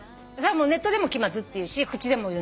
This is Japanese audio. ネットでも「きまず」って言うし口でも言う。